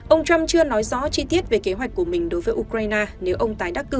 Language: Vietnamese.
ông trump chưa nói rõ chi tiết về kế hoạch của mình đối với ukraine nếu ông tái đắc cử